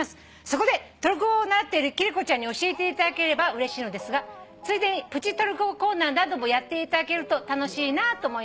そこでトルコ語を習っている貴理子ちゃんに教えていただければうれしいのですがついでにプチトルコ語コーナーなどもやっていただけると楽しいなと思います」